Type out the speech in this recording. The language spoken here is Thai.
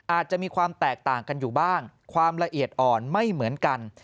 อาจจะมีความแตกต่างกันอยู่บ้างความละเอียดอ่อนไม่เหมือนกัน